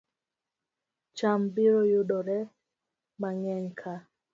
Cham biro yudore mang'eny ka